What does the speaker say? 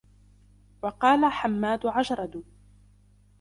وَقَالَ حَمَّادُ عَجْرَدُ